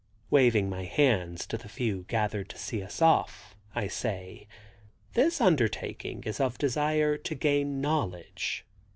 Waving my hands to the few gathered to see us off, I say: "This undertaking is of desire to gain knowledge.